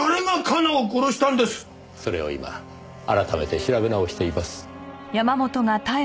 それを今改めて調べ直しています。